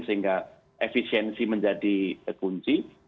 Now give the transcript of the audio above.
sehingga efisiensi menjadi kunci